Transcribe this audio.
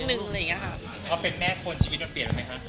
เพราะเป็นแม่คนชีวิตออกไปไม่คะ